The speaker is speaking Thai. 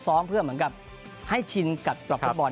ซ้อมเพื่อเหมือนกับให้ชินกับกลับบทบอล